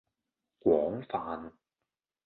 廣泛